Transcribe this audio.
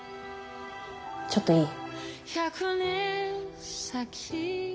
ちょっといい？